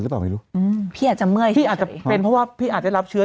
หรือเปล่าไม่รู้อืมพี่อาจจะเมื่อยพี่อาจจะเป็นเพราะว่าพี่อาจจะรับเชื้อ